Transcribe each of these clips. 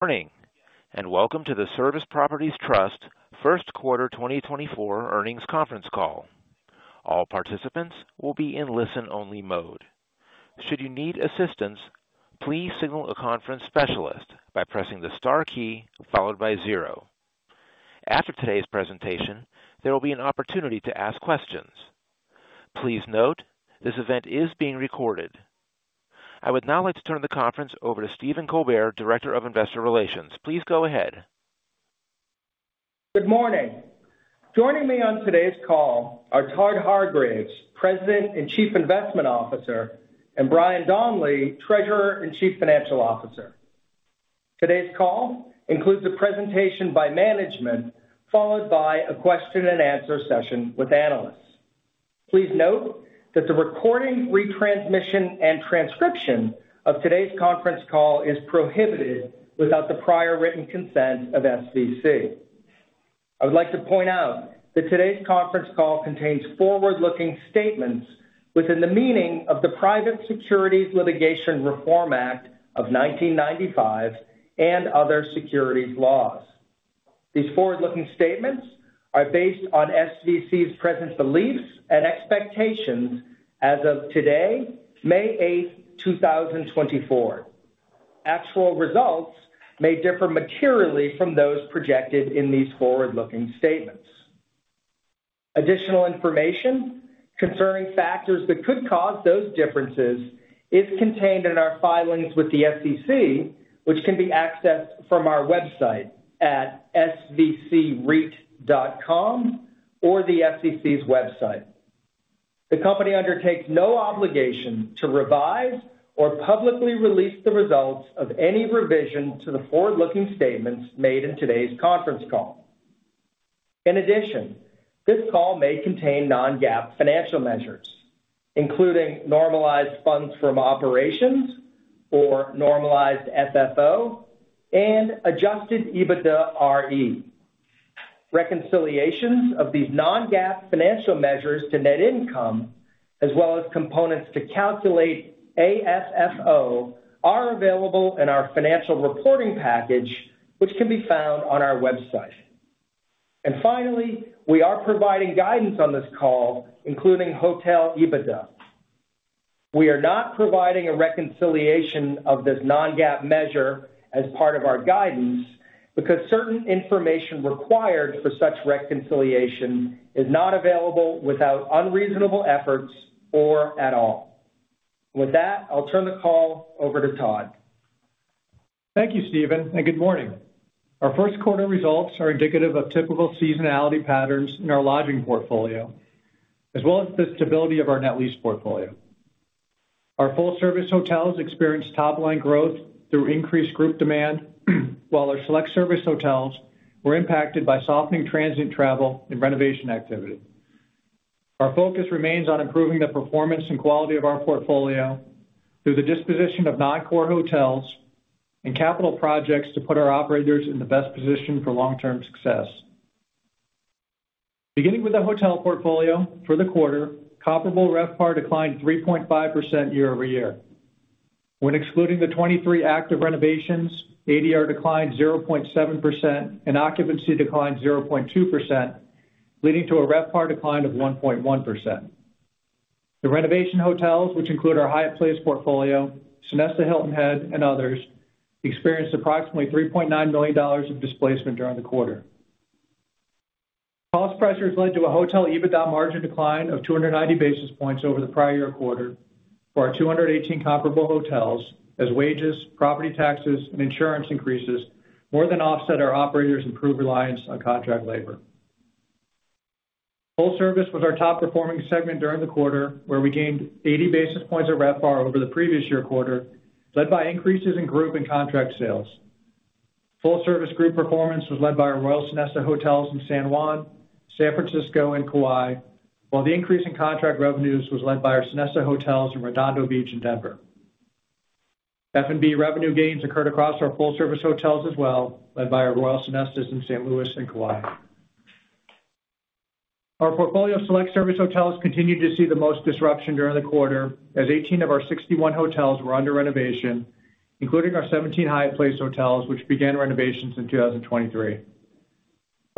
Morning and welcome to the Service Properties Trust first quarter 2024 earnings conference call. All participants will be in listen-only mode. Should you need assistance, please signal a conference specialist by pressing the star key followed by zero. After today's presentation, there will be an opportunity to ask questions. Please note, this event is being recorded. I would now like to turn the conference over to Stephen Colbert, Director of Investor Relations. Please go ahead. Good morning. Joining me on today's call are Todd Hargreaves, President and Chief Investment Officer, and Brian Donley, Treasurer and Chief Financial Officer. Today's call includes a presentation by management followed by a question-and-answer session with analysts. Please note that the recording, retransmission, and transcription of today's conference call is prohibited without the prior written consent of SVC. I would like to point out that today's conference call contains forward-looking statements within the meaning of the Private Securities Litigation Reform Act of 1995 and other securities laws. These forward-looking statements are based on SVC's present beliefs and expectations as of today, May 8th, 2024. Actual results may differ materially from those projected in these forward-looking statements. Additional information concerning factors that could cause those differences is contained in our filings with the SEC, which can be accessed from our website at svcreit.com or the SEC's website. The company undertakes no obligation to revise or publicly release the results of any revision to the forward-looking statements made in today's conference call. In addition, this call may contain non-GAAP financial measures, including normalized funds from operations or normalized FFO and Adjusted EBITDAre. Reconciliations of these non-GAAP financial measures to net income, as well as components to calculate AFFO, are available in our financial reporting package, which can be found on our website. Finally, we are providing guidance on this call, including hotel EBITDA. We are not providing a reconciliation of this non-GAAP measure as part of our guidance because certain information required for such reconciliation is not available without unreasonable efforts or at all. With that, I'll turn the call over to Todd. Thank you, Stephen, and good morning. Our first quarter results are indicative of typical seasonality patterns in our lodging portfolio, as well as the stability of our net lease portfolio. Our full-service hotels experienced top-line growth through increased group demand, while our select-service hotels were impacted by softening transit travel and renovation activity. Our focus remains on improving the performance and quality of our portfolio through the disposition of non-core hotels and capital projects to put our operators in the best position for long-term success. Beginning with the hotel portfolio for the quarter, comparable RevPAR declined 3.5% year-over-year. When excluding the 23 active renovations, ADR declined 0.7% and occupancy declined 0.2%, leading to a RevPAR decline of 1.1%. The renovation hotels, which include our Hyatt Place portfolio, Sonesta Hilton Head, and others, experienced approximately $3.9 million of displacement during the quarter. Cost pressures led to a hotel EBITDA margin decline of 290 basis points over the prior year quarter for our 218 comparable hotels, as wages, property taxes, and insurance increases more than offset our operators' improved reliance on contract labor. Full-service was our top-performing segment during the quarter, where we gained 80 basis points of RevPAR over the previous year quarter, led by increases in group and contract sales. Full-service group performance was led by our Royal Sonesta hotels in San Juan, San Francisco, and Kauai, while the increase in contract revenues was led by our Sonesta hotels in Redondo Beach and Denver. F&B revenue gains occurred across our full-service hotels as well, led by our Royal Sonestas in St. Louis and Kauai. Our portfolio of select-service hotels continued to see the most disruption during the quarter, as 18 of our 61 hotels were under renovation, including our 17 Hyatt Place hotels, which began renovations in 2023.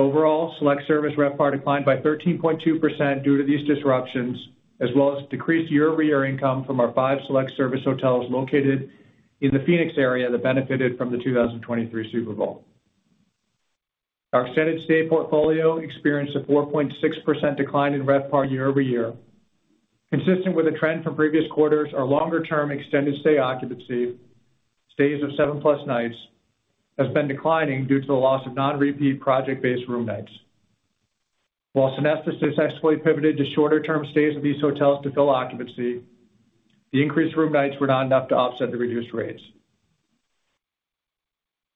Overall, select-service RevPAR declined by 13.2% due to these disruptions, as well as decreased year-over-year income from our five select-service hotels located in the Phoenix area that benefited from the 2023 Super Bowl. Our extended stay portfolio experienced a 4.6% decline in RevPAR year over year. Consistent with a trend from previous quarters, our longer-term extended stay occupancy, stays of 7+ nights, has been declining due to the loss of non-repeat project-based room nights. While Sonestas successfully pivoted to shorter-term stays at these hotels to fill occupancy, the increased room nights were not enough to offset the reduced rates.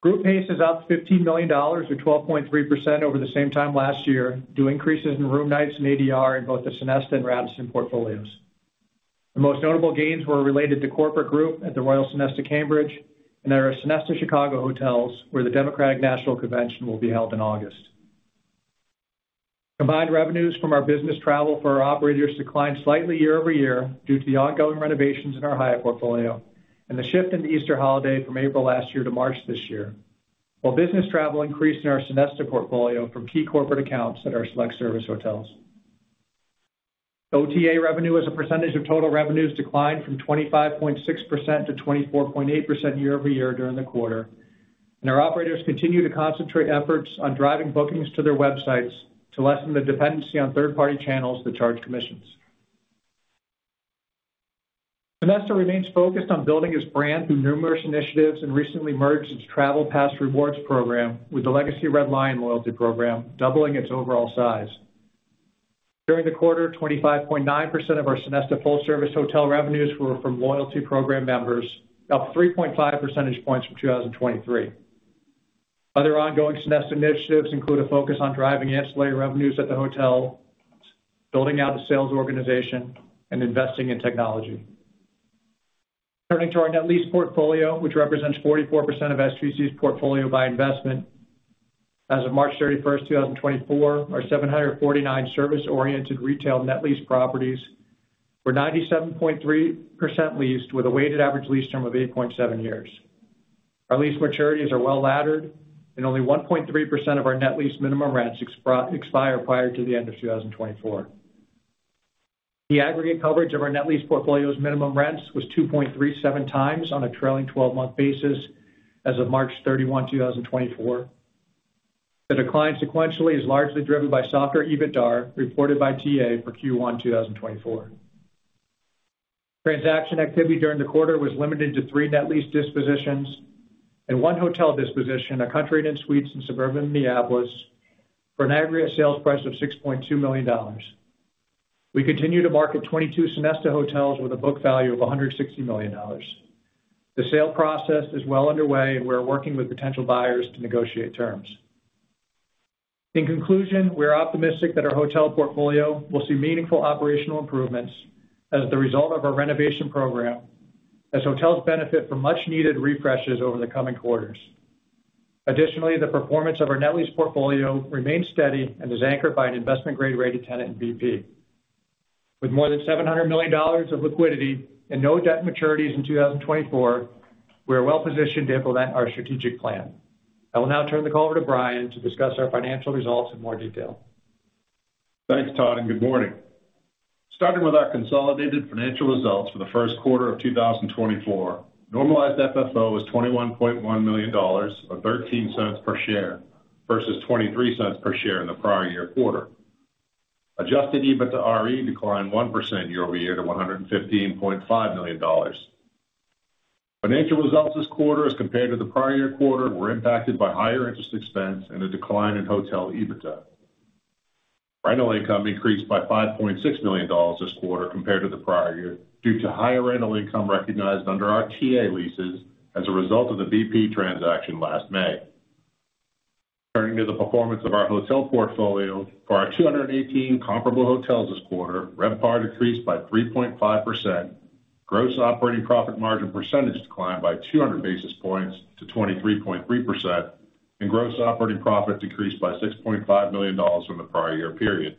Group pace is up $15 million, or 12.3%, over the same time last year due to increases in room nights and ADR in both the Sonesta and Radisson portfolios. The most notable gains were related to corporate group at the Royal Sonesta Cambridge and at our Sonesta Chicago hotels, where the Democratic National Convention will be held in August. Combined revenues from our business travel for our operators declined slightly year-over-year due to the ongoing renovations in our Hyatt Place portfolio and the shift in the Easter holiday from April last year to March this year, while business travel increased in our Sonesta portfolio from key corporate accounts at our select-service hotels. OTA revenue, as a percentage of total revenues, declined from 25.6% to 24.8% year-over-year during the quarter, and our operators continue to concentrate efforts on driving bookings to their websites to lessen the dependency on third-party channels that charge commissions. Sonesta remains focused on building its brand through numerous initiatives and recently merged its Travel Pass Rewards program with the legacy Red Lion loyalty program, doubling its overall size. During the quarter, 25.9% of our Sonesta full-service hotel revenues were from loyalty program members, up 3.5 percentage points from 2023. Other ongoing Sonesta initiatives include a focus on driving ancillary revenues at the hotels, building out a sales organization, and investing in technology. Turning to our net lease portfolio, which represents 44% of SVC's portfolio by investment, as of March 31st, 2024, our 749 service-oriented retail net lease properties were 97.3% leased, with a weighted average lease term of 8.7 years. Our lease maturities are well laddered, and only 1.3% of our net lease minimum rents expire prior to the end of 2024. The aggregate coverage of our net lease portfolio's minimum rents was 2.37 times on a trailing 12-month basis as of March 31, 2024. The decline sequentially is largely driven by softer EBITDA reported by TA for Q1, 2024. Transaction activity during the quarter was limited to three net lease dispositions and one hotel disposition, a Country Inn & Suites in suburban Minneapolis, for an aggregate sales price of $6.2 million. We continue to market 22 Sonesta hotels with a book value of $160 million. The sale process is well underway, and we are working with potential buyers to negotiate terms. In conclusion, we are optimistic that our hotel portfolio will see meaningful operational improvements as the result of our renovation program, as hotels benefit from much-needed refreshes over the coming quarters. Additionally, the performance of our net lease portfolio remains steady and is anchored by an investment-grade rated tenant and BP. With more than $700 million of liquidity and no debt maturities in 2024, we are well positioned to implement our strategic plan. I will now turn the call over to Brian to discuss our financial results in more detail. Thanks, Todd, and good morning. Starting with our consolidated financial results for the first quarter of 2024, normalized FFO was $21.1 million or 13 cents per share versus 23 cents per share in the prior year quarter. Adjusted EBITDAre declined 1% year-over-year to $115.5 million. Financial results this quarter, as compared to the prior year quarter, were impacted by higher interest expense and a decline in hotel EBITDA. Rental income increased by $5.6 million this quarter compared to the prior year due to higher rental income recognized under our TA leases as a result of the BP transaction last May. Turning to the performance of our hotel portfolio, for our 218 comparable hotels this quarter, RevPAR decreased by 3.5%, gross operating profit margin percentage declined by 200 basis points to 23.3%, and gross operating profit decreased by $6.5 million from the prior year period.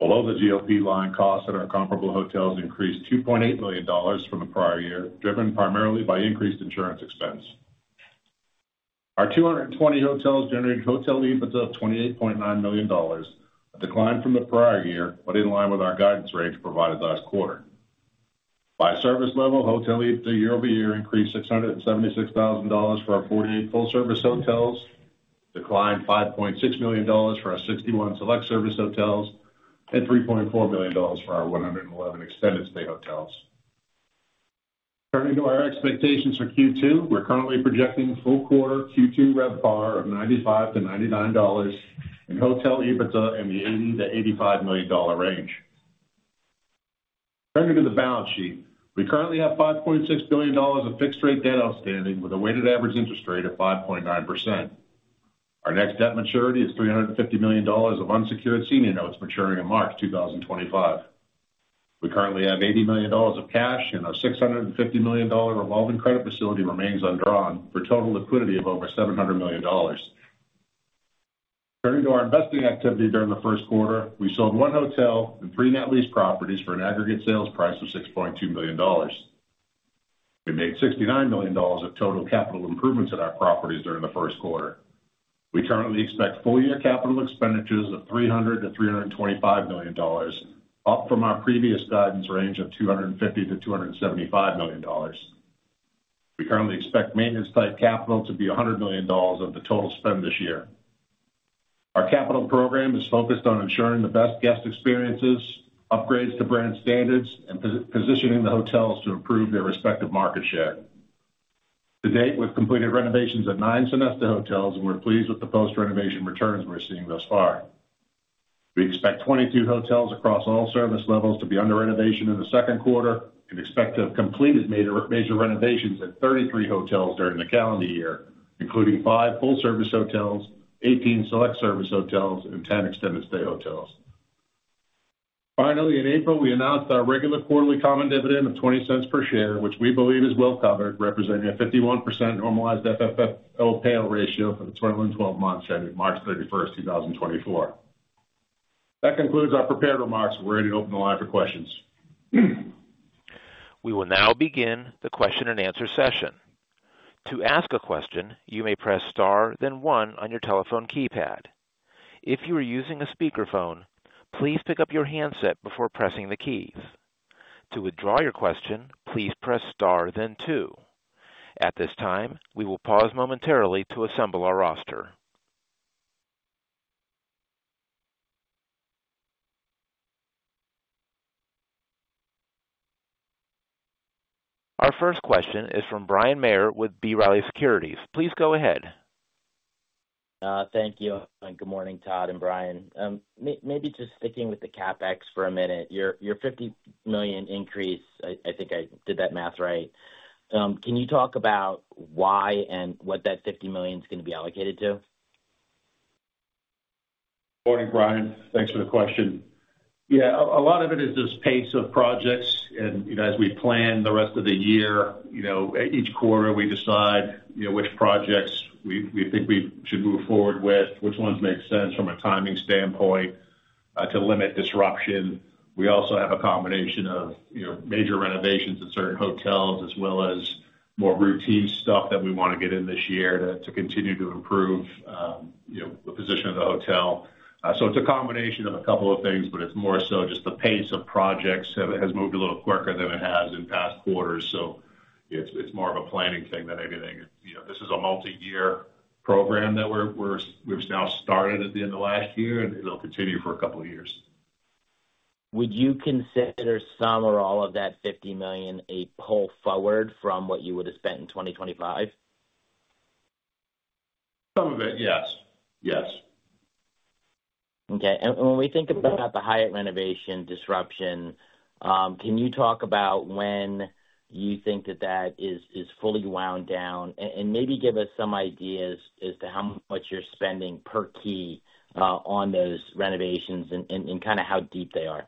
Below the GOP line, costs at our comparable hotels increased $2.8 million from the prior year, driven primarily by increased insurance expense. Our 220 hotels generated hotel EBITDA of $28.9 million, a decline from the prior year but in line with our guidance range provided last quarter. By service level, hotel EBITDA year-over-year increased $676,000 for our 48 full-service hotels, declined $5.6 million for our 61 select-service hotels, and $3.4 million for our 111 extended stay hotels. Turning to our expectations for Q2, we're currently projecting full-quarter Q2 RevPAR of $95-$99 and hotel EBITDA in the $80-$85 million range. Turning to the balance sheet, we currently have $5.6 billion of fixed-rate debt outstanding with a weighted average interest rate of 5.9%. Our next debt maturity is $350 million of unsecured senior notes maturing in March 2025. We currently have $80 million of cash, and our $650 million revolving credit facility remains undrawn for a total liquidity of over $700 million. Turning to our investing activity during the first quarter, we sold one hotel and three net lease properties for an aggregate sales price of $6.2 million. We made $69 million of total capital improvements at our properties during the first quarter. We currently expect full-year capital expenditures of $300-$325 million, up from our previous guidance range of $250-$275 million. We currently expect maintenance-type capital to be $100 million of the total spend this year. Our capital program is focused on ensuring the best guest experiences, upgrades to brand standards, and positioning the hotels to improve their respective market share. To date, we've completed renovations at nine Sonesta hotels, and we're pleased with the post-renovation returns we're seeing thus far. We expect 22 hotels across all service levels to be under renovation in the second quarter and expect to have completed major renovations at 33 hotels during the calendar year, including five full-service hotels, 18 select-service hotels, and 10 extended stay hotels. Finally, in April, we announced our regular quarterly common dividend of $0.20 per share, which we believe is well covered, representing a 51% normalized FFO payout ratio for the 12 months ending March 31st, 2024. That concludes our prepared remarks. We're ready to open the line for questions. We will now begin the question-and-answer session. To ask a question, you may press star, then one on your telephone keypad. If you are using a speakerphone, please pick up your handset before pressing the keys. To withdraw your question, please press star, then two. At this time, we will pause momentarily to assemble our roster. Our first question is from Bryan Maher with B. Riley Securities. Please go ahead. Thank you. Good morning, Todd and Brian. Maybe just sticking with the CapEx for a minute. Your $50 million increase, I think I did that math right, can you talk about why and what that $50 million is going to be allocated to? Morning, Brian. Thanks for the question. Yeah, a lot of it is this pace of projects. As we plan the rest of the year, each quarter we decide which projects we think we should move forward with, which ones make sense from a timing standpoint to limit disruption. We also have a combination of major renovations at certain hotels as well as more routine stuff that we want to get in this year to continue to improve the position of the hotel. It's a combination of a couple of things, but it's more so just the pace of projects has moved a little quicker than it has in past quarters. It's more of a planning thing than anything. This is a multi-year program that we've now started at the end of last year, and it'll continue for a couple of years. Would you consider some or all of that $50 million a pull forward from what you would have spent in 2025? Some of it, yes. Yes. Okay. And when we think about the Hyatt renovation disruption, can you talk about when you think that is fully wound down and maybe give us some ideas as to how much you're spending per key on those renovations and kind of how deep they are?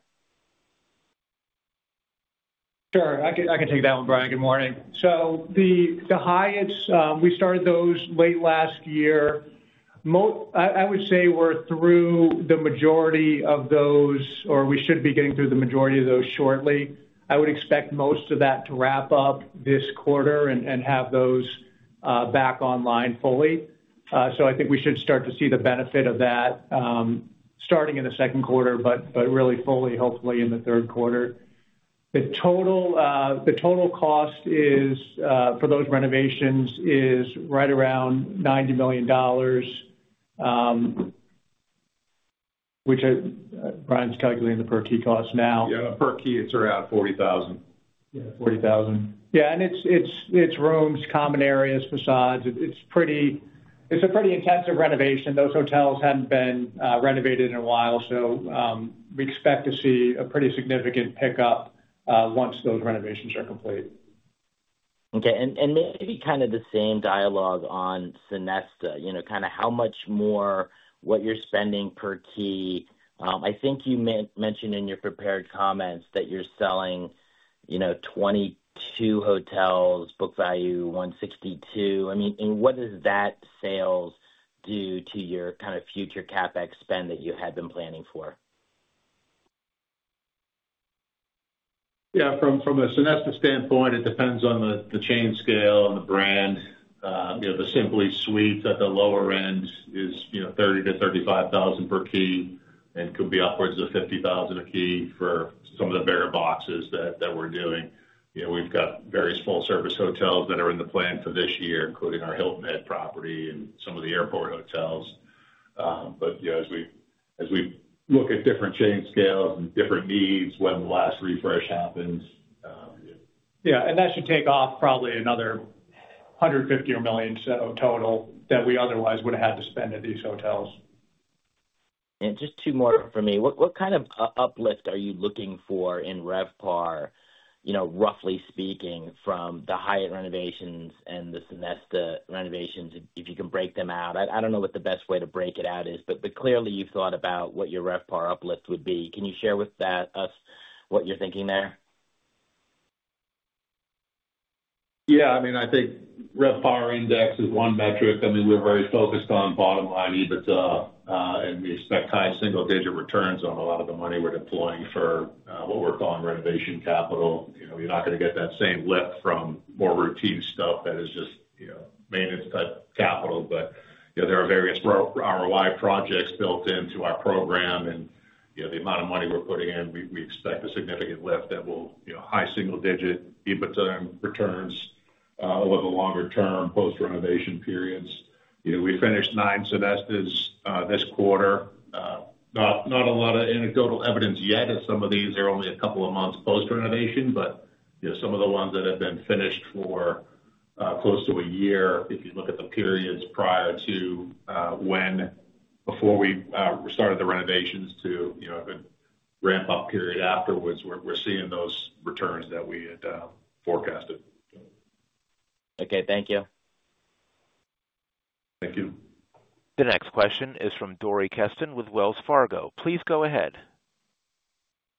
Sure. I can take that one, Brian. Good morning. So the Hyatt Place, we started those late last year. I would say we're through the majority of those, or we should be getting through the majority of those shortly. I would expect most of that to wrap up this quarter and have those back online fully. So I think we should start to see the benefit of that starting in the second quarter but really fully, hopefully, in the third quarter. The total cost for those renovations is right around $90 million, which Brian's calculating the per key cost now. Yeah, per key, it's around 40,000. Yeah, 40,000. Yeah, and it's rooms, common areas, façades. It's a pretty intensive renovation. Those hotels hadn't been renovated in a while, so we expect to see a pretty significant pickup once those renovations are complete. Okay. And maybe kind of the same dialogue on Sonesta, kind of how much more what you're spending per key. I think you mentioned in your prepared comments that you're selling 22 hotels, book value $162 million. I mean, what does that sales do to your kind of future CapEx spend that you had been planning for? Yeah, from a Sonesta standpoint, it depends on the Chain Scale and the brand. The Simply Suites at the lower end is $30,000-$35,000 per key and could be upwards of $50,000 a key for some of the bigger boxes that we're doing. We've got various full-service hotels that are in the plan for this year, including our Hilton Head property and some of the airport hotels. But as we look at different Chain Scales and different needs, when the last refresh happens. Yeah, and that should take off probably another $150 million total that we otherwise would have had to spend at these hotels. Just two more for me. What kind of uplift are you looking for in RevPAR, roughly speaking, from the Hyatt renovations and the Sonesta renovations, if you can break them out? I don't know what the best way to break it out is, but clearly, you've thought about what your RevPAR uplift would be. Can you share with us what you're thinking there? Yeah. I mean, I think RevPAR index is one metric. I mean, we're very focused on bottom-line EBITDA, and we expect high single-digit returns on a lot of the money we're deploying for what we're calling renovation capital. You're not going to get that same lift from more routine stuff that is just maintenance-type capital. But there are various ROI projects built into our program, and the amount of money we're putting in, we expect a significant lift that will high single-digit EBITDA returns over the longer-term post-renovation periods. We finished nine Sonestas this quarter. Not a lot of anecdotal evidence yet of some of these. They're only a couple of months post-renovation. But some of the ones that have been finished for close to a year, if you look at the periods prior to when before we started the renovations to a good ramp-up period afterwards, we're seeing those returns that we had forecasted. Okay. Thank you. Thank you. The next question is from Dori Kesten with Wells Fargo. Please go ahead.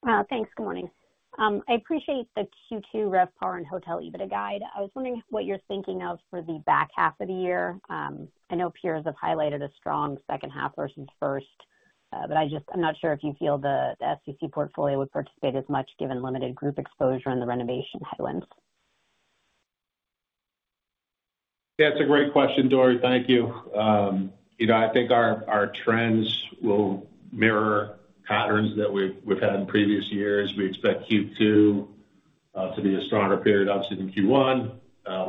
Well, thanks. Good morning. I appreciate the Q2 RevPAR and hotel EBITDA guide. I was wondering what you're thinking of for the back half of the year. I know peers have highlighted a strong second half versus first, but I'm not sure if you feel the SVC portfolio would participate as much given limited group exposure in the renovation headwinds. Yeah, it's a great question, Dori. Thank you. I think our trends will mirror patterns that we've had in previous years. We expect Q2 to be a stronger period, obviously, than Q1.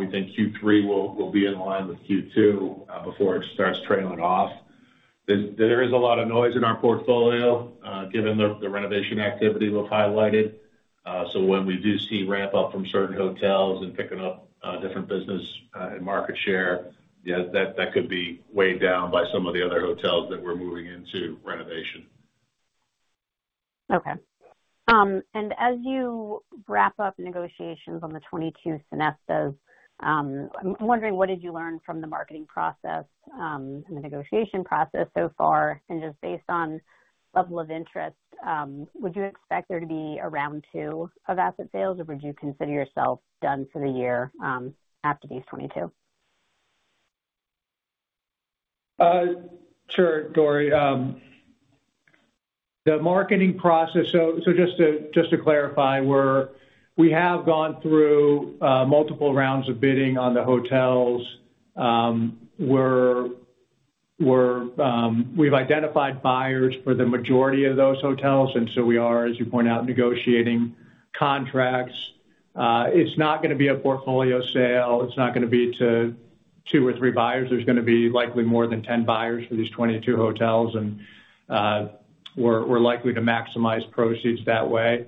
We think Q3 will be in line with Q2 before it starts trailing off. There is a lot of noise in our portfolio given the renovation activity we've highlighted. So when we do see ramp-up from certain hotels and picking up different business and market share, that could be weighed down by some of the other hotels that we're moving into renovation. Okay. And as you wrap up negotiations on the 22 Sonestas, I'm wondering, what did you learn from the marketing process and the negotiation process so far? And just based on level of interest, would you expect there to be a round two of asset sales, or would you consider yourself done for the year after these 22? Sure, Dori. The marketing process, so just to clarify, we have gone through multiple rounds of bidding on the hotels. We've identified buyers for the majority of those hotels, and so we are, as you point out, negotiating contracts. It's not going to be a portfolio sale. It's not going to be to two or three buyers. There's going to be likely more than 10 buyers for these 22 hotels, and we're likely to maximize proceeds that way.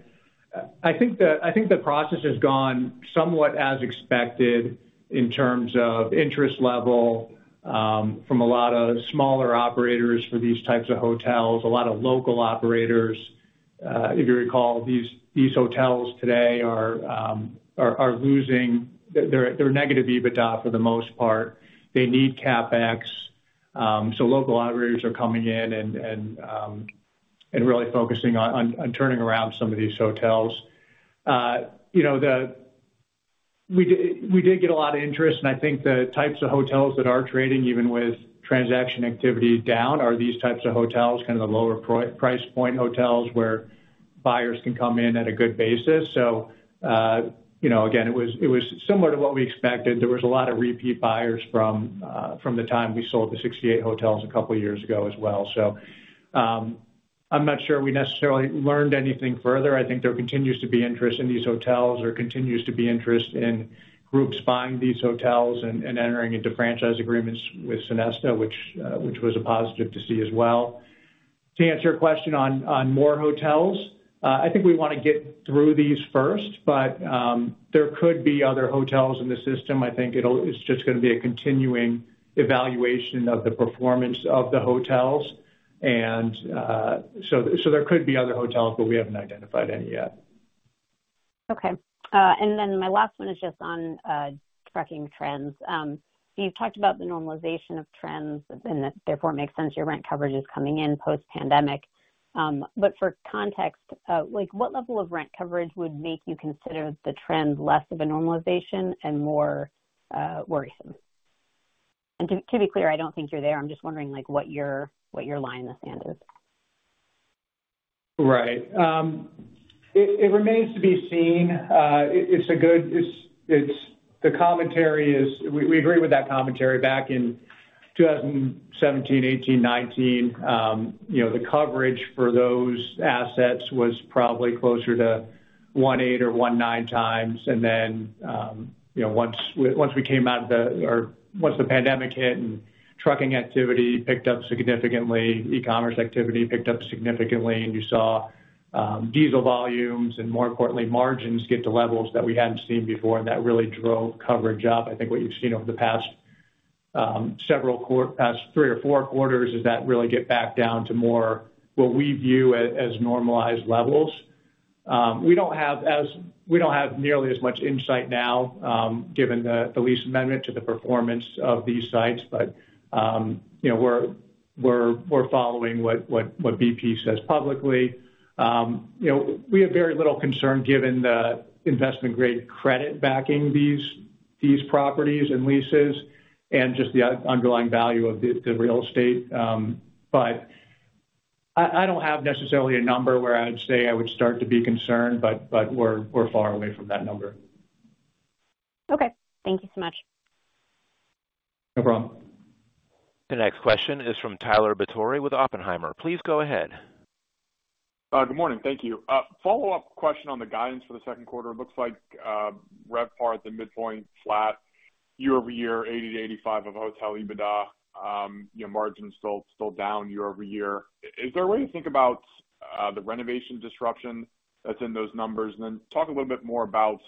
I think the process has gone somewhat as expected in terms of interest level from a lot of smaller operators for these types of hotels, a lot of local operators. If you recall, these hotels today are losing. They're negative EBITDA for the most part. They need CapEx. So local operators are coming in and really focusing on turning around some of these hotels. We did get a lot of interest, and I think the types of hotels that are trading, even with transaction activity down, are these types of hotels, kind of the lower-price point hotels where buyers can come in at a good basis. So again, it was similar to what we expected. There was a lot of repeat buyers from the time we sold the 68 hotels a couple of years ago as well. So I'm not sure we necessarily learned anything further. I think there continues to be interest in these hotels or continues to be interest in groups buying these hotels and entering into franchise agreements with Sonesta, which was a positive to see as well. To answer your question on more hotels, I think we want to get through these first, but there could be other hotels in the system. I think it's just going to be a continuing evaluation of the performance of the hotels. And so there could be other hotels, but we haven't identified any yet. Okay. And then my last one is just on tracking trends. So you've talked about the normalization of trends and that, therefore, it makes sense your rent coverage is coming in post-pandemic. But for context, what level of rent coverage would make you consider the trend less of a normalization and more worrisome? And to be clear, I don't think you're there. I'm just wondering what your line in the sand is. Right. It remains to be seen. It's good, the commentary is we agree with that commentary. Back in 2017, 2018, 2019, the coverage for those assets was probably closer to 1.8x or 1.9x. And then once we came out of the or once the pandemic hit and trucking activity picked up significantly, e-commerce activity picked up significantly, and you saw diesel volumes and, more importantly, margins get to levels that we hadn't seen before, and that really drove coverage up. I think what you've seen over the past three or four quarters is that really get back down to more what we view as normalized levels. We don't have nearly as much insight now given the Lease Amendment to the performance of these sites, but we're following what BP says publicly. We have very little concern given the investment-grade credit backing these properties and leases and just the underlying value of the real estate. But I don't have necessarily a number where I'd say I would start to be concerned, but we're far away from that number. Okay. Thank you so much. No problem. The next question is from Tyler Batory with Oppenheimer. Please go ahead. Good morning. Thank you. Follow-up question on the guidance for the second quarter. It looks like RevPAR at the midpoint, flat. Year-over-year, 80%-85% of hotel EBITDA. Margins still down year-over-year. Is there a way to think about the renovation disruption that's in those numbers? And then talk a little bit more about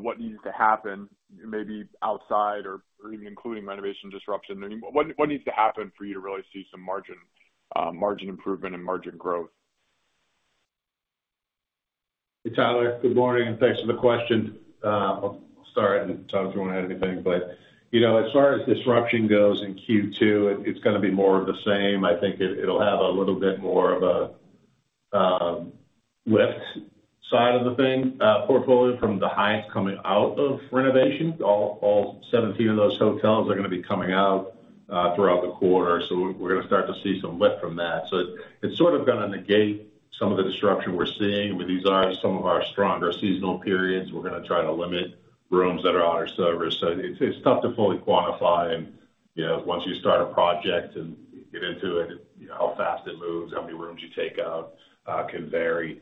what needs to happen, maybe outside or even including renovation disruption. I mean, what needs to happen for you to really see some margin improvement and margin growth? Hey, Tyler. Good morning, and thanks for the question. I'll start and talk if you want to add anything. But as far as disruption goes in Q2, it's going to be more of the same. I think it'll have a little bit more of a lift side of the thing. Portfolio from the Hyatts coming out of renovation, all 17 of those hotels are going to be coming out throughout the quarter, so we're going to start to see some lift from that. So it's sort of going to negate some of the disruption we're seeing. I mean, these are some of our stronger seasonal periods. We're going to try to limit rooms that are out of service. So it's tough to fully quantify. Once you start a project and get into it, how fast it moves, how many rooms you take out can vary.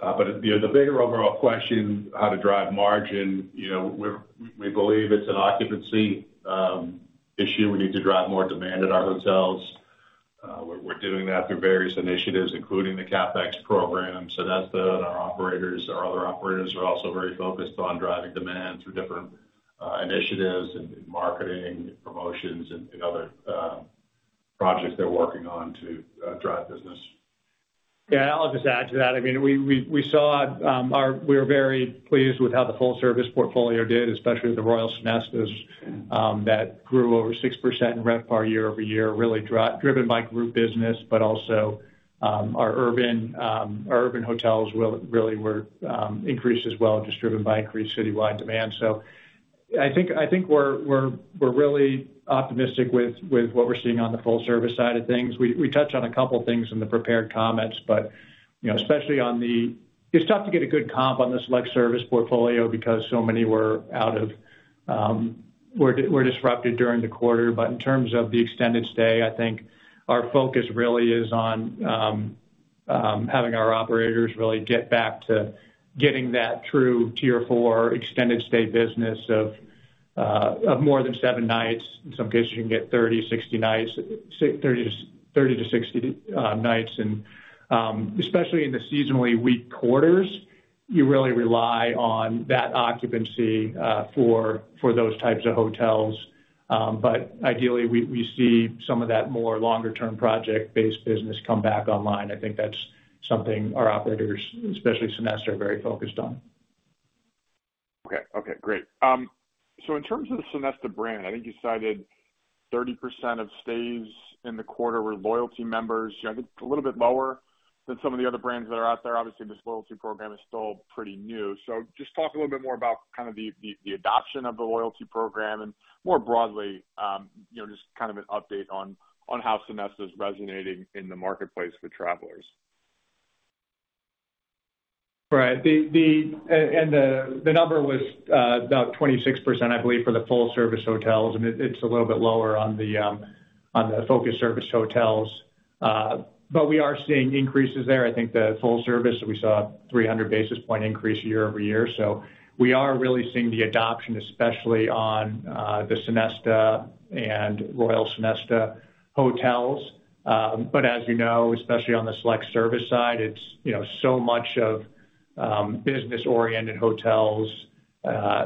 But the bigger overall question, how to drive margin, we believe it's an occupancy issue. We need to drive more demand at our hotels. We're doing that through various initiatives, including the CapEx program. So that's our operators. Our other operators are also very focused on driving demand through different initiatives and marketing promotions and other projects they're working on to drive business. Yeah, I'll just add to that. I mean, we saw we were very pleased with how the full-service portfolio did, especially the Royal Sonesta that grew over 6% in RevPAR year-over-year, really driven by group business. But also our urban hotels really were increased as well, just driven by increased citywide demand. So I think we're really optimistic with what we're seeing on the full-service side of things. We touched on a couple of things in the prepared comments, but especially, it's tough to get a good comp on the select-service portfolio because so many were disrupted during the quarter. But in terms of the extended stay, I think our focus really is on having our operators really get back to getting that true tier four extended stay business of more than seven nights. In some cases, you can get 30-60 nights, 30-60 nights. And especially in the seasonally weak quarters, you really rely on that occupancy for those types of hotels. But ideally, we see some of that more longer-term project-based business come back online. I think that's something our operators, especially Sonesta, are very focused on. Okay. Okay. Great. So in terms of the Sonesta brand, I think you cited 30% of stays in the quarter were loyalty members. I think a little bit lower than some of the other brands that are out there. Obviously, this loyalty program is still pretty new. So just talk a little bit more about kind of the adoption of the loyalty program and more broadly, just kind of an update on how Sonesta is resonating in the marketplace for travelers. Right. And the number was about 26%, I believe, for the full-service hotels. I mean, it's a little bit lower on the select-service hotels. But we are seeing increases there. I think the full-service, we saw a 300 basis-point increase year-over-year. So we are really seeing the adoption, especially on the Sonesta and Royal Sonesta hotels. But as you know, especially on the select-service side, it's so much of business-oriented hotels.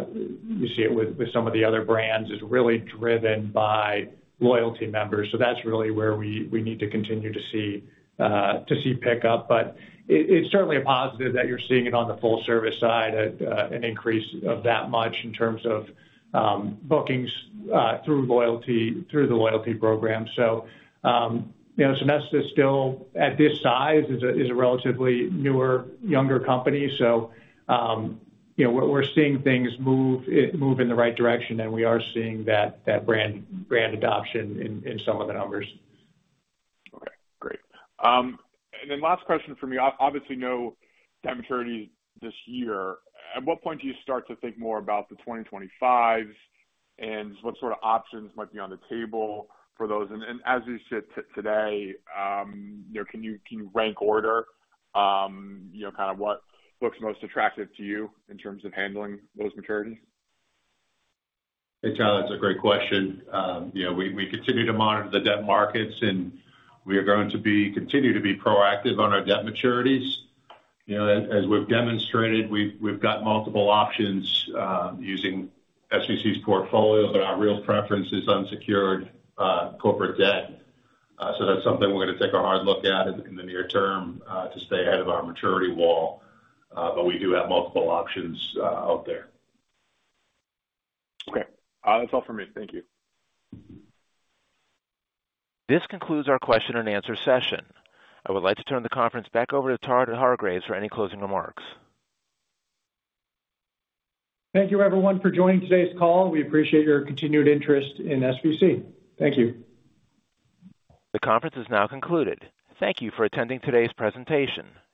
You see it with some of the other brands, it's really driven by loyalty members. So that's really where we need to continue to see pickup. But it's certainly a positive that you're seeing it on the full-service side, an increase of that much in terms of bookings through the loyalty program. So Sonesta, still at this size, is a relatively newer, younger company. We're seeing things move in the right direction, and we are seeing that brand adoption in some of the numbers. Okay. Great. And then last question from me. Obviously, no time maturity this year. At what point do you start to think more about the 2025s and what sort of options might be on the table for those? And as you sit today, can you rank order kind of what looks most attractive to you in terms of handling those maturities? Hey, Tyler. It's a great question. We continue to monitor the debt markets, and we are going to continue to be proactive on our debt maturities. As we've demonstrated, we've got multiple options using SVC's portfolio, but our real preference is unsecured corporate debt. So that's something we're going to take a hard look at in the near term to stay ahead of our maturity wall. But we do have multiple options out there. Okay. That's all from me. Thank you. This concludes our question-and-answer session. I would like to turn the conference back over to Todd Hargreaves for any closing remarks. Thank you, everyone, for joining today's call. We appreciate your continued interest in SVC. Thank you. The conference is now concluded. Thank you for attending today's presentation. You.